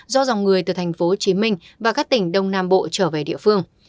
do dòng người từ thành phố hồ chí minh và các tỉnh đông nam bộ trở về địa phương